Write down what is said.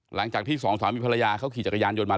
หลังจากที่สองสามีภรรยาเขาขี่จักรยานยนต์มา